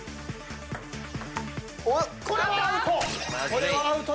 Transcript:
これはアウト！